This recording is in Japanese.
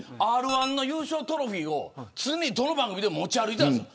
Ｒ‐１の優勝トロフィーを常にどの番組でも持ち歩いていたんです。